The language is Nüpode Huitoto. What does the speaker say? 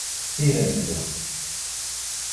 Siraidɨo